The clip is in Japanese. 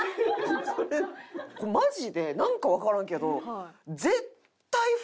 マジでなんかわからんけど。